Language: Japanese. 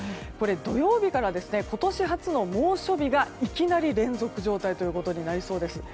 土曜日から今年初の猛暑日がいきなり連続状態ということになりそうです。